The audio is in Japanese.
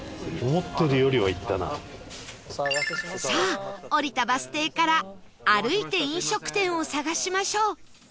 さあ降りたバス停から歩いて飲食店を探しましょう